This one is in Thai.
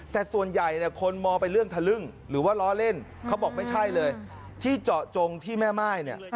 แต่ส่วนใหญ่เนี่ยคนมองไปเรื่องทะลึ่งหรือว่าล้อเล่นเขาบอกไม่ใช่เลยที่เจาะจงที่แม่ม่ายเนี่ย